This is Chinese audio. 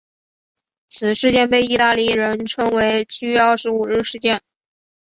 此事件被意大利人称为七月二十五日事件。